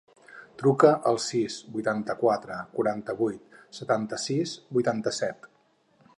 Truca al sis, vuitanta-quatre, quaranta-vuit, setanta-sis, vuitanta-set.